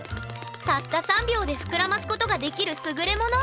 たった３秒でふくらますことができるすぐれもの！